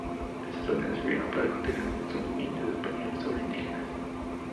Estas órdenes sirvieron para mantener un dominio de españoles sobre indígenas.